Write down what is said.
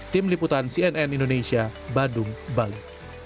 tim liputan cnn indonesia badung bali